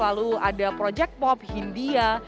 lalu ada project pop hindia